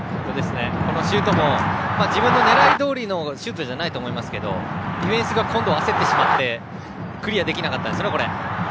このシュートも自分の狙いどおりのシュートじゃないと思いますがディフェンスが焦ってしまってクリアできなかったですよね。